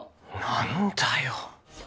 何だよ。